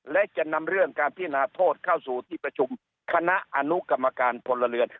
และจะนำเรื่องการพินาโทษเข้าสู่ที่ประชุมคณะอนุกรรมการพลเรือน